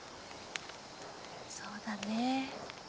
そうだね。